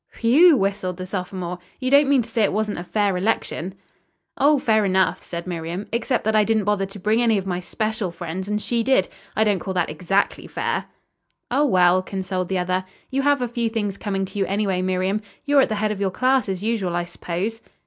"Whew w w!" whistled the sophomore. "You don't mean to say it wasn't a fair election?" "Oh, fair enough," said Miriam, "except that I didn't bother to bring any of my special friends, and she did. I don't call that exactly fair." "Oh, well," consoled the other, "you have a few things coming to you anyway, Miriam. You're at the head of your class, as usual, I suppose?"